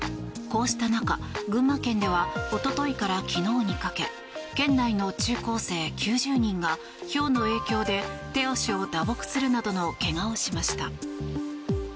こうした中、群馬県ではおとといから昨日にかけ県内の中高生９０人がひょうの影響で手足を打撲するなどの怪我をしました。